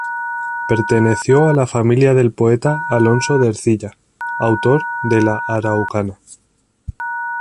Perteneció a la familia del poeta Alonso de Ercilla, autor de "La Araucana".